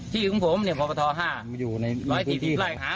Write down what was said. ที่ของผมเนี่ยพบ๕๑๔๐ไร่ค่ะ